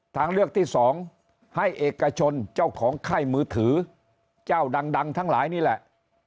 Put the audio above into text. ทางเลือกที่สองให้เอกชนเจ้าของไข้มือถือเจ้าดังทั้งหลายนี่แหละ